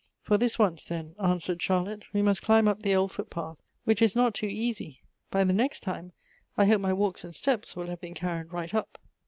" For this once, then," answered Charlotte, " we must climb up the ol<l footpath, which is not too easy. By the next time I hope walks and steps will have been carried right up."